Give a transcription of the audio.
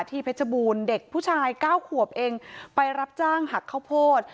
เพชรบูรณ์เด็กผู้ชาย๙ขวบเองไปรับจ้างหักข้าวโพด